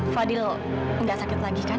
fadil tidak sakit lagi kan